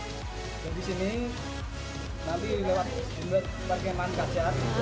kita ke sini nanti lewat parkir mankacar